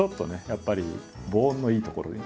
やっぱり防音のいい所に。